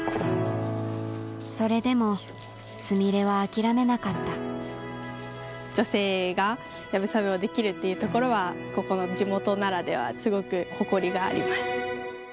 それでも純麗は諦めなかった女性が流鏑馬をできるっていうところはここの地元ならではですごく誇りがあります。